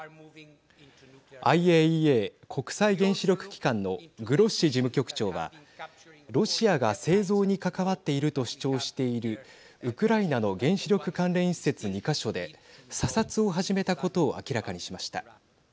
ＩＡＥＡ＝国際原子力機関のグロッシ事務局長はロシアが製造に関わっていると主張しているウクライナの原子力関連施設２か所で査察を始めたことを明らかにしました。